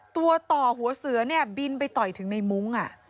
ตัวต่อหัวเสือเนี่ยบินไปต่อยถึงในมุ้ง